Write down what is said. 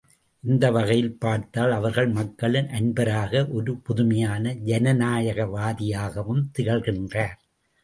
இந்த வகையில் பார்த்தால், அவர் மக்களின் அன்பராக, ஒரு புதுமையான ஜனநாயகவாதியாகவும் திகழ்கின்றார்.